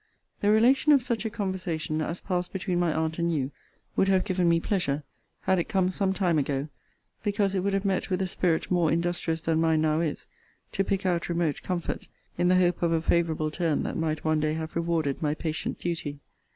The relation of such a conversation as passed between my aunt and you would have given me pleasure, had it come some time ago; because it would have met with a spirit more industrious than mine now is, to pick out remote comfort in the hope of a favourable turn that might one day have rewarded my patient duty.